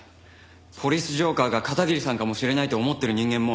「ポリス浄化ぁ」が片桐さんかもしれないと思ってる人間も。